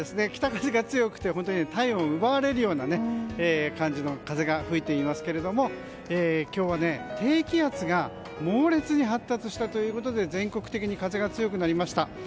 北風が強くて体温を奪われるような感じの風が吹いていますけれども今日は低気圧が猛烈に発達したということで全国的に風が強くなりました。